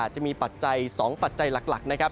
ปัจจัย๒ปัจจัยหลักนะครับ